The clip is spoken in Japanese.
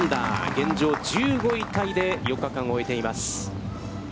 現状、１５位タイで４日間を終えています。